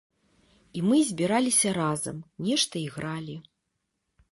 І мы збіраліся разам, нешта ігралі.